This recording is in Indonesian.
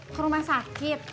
ke rumah sakit